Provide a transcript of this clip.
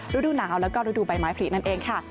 ฤดูหนาวแล้วก็ฤดูใบไม้ผลินั่นเองค่ะ